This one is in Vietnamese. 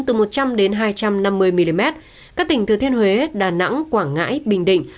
từ một trăm linh đến hai trăm năm mươi mm các tỉnh thừa thiên huế đà nẵng quảng ngãi bình định